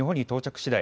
しだい